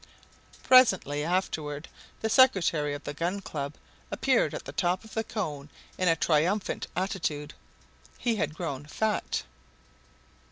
Presently afterward the secretary of the Gun Club appeared at the top of the cone in a triumphant attitude. He had grown fat!